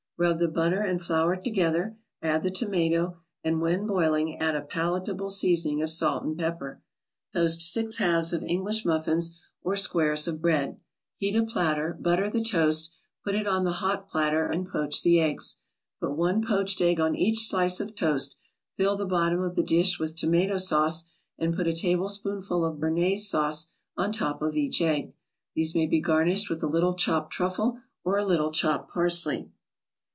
Rub the butter and flour together, add the tomato, and when boiling add a palatable seasoning of salt and pepper. Toast six halves of English muffins or squares of bread. Heat a platter, butter the toast, put it on the hot platter, and poach the eggs. Put one poached egg on each slice of toast, fill the bottom of the dish with tomato sauce and put a tablespoonful of Bernaise sauce on top of each egg. These may be garnished with a little chopped truffle, or a little chopped parsley.